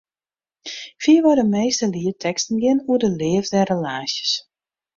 Fierwei de measte lietteksten geane oer de leafde en relaasjes.